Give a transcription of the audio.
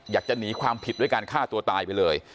อยากจะหนีความผิดด้วยการฆ่าตัวตายไปเลย